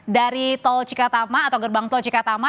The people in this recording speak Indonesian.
dari tol cikatama atau gerbang tol cikatama